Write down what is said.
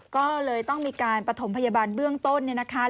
ก็เลยต้องมีการประถมพยาบาลเบื้องต้นเนี่ยนะคะ